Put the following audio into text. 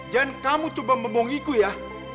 jangan kamu coba membohongiku ya